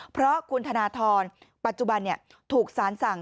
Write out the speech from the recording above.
เพราะคุณธนทรปัจจุบันถูกสารสั่ง